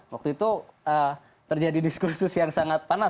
waktu itu terjadi diskursus yang sangat panas